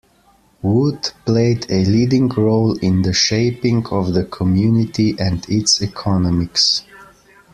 Wood, played a leading role in the shaping of the community and its economics.